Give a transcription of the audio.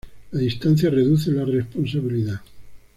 La distancia reduce la responsabilidad".